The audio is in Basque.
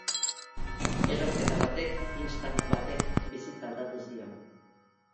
Erorketa batek, istant batek, bizitza aldatu zion.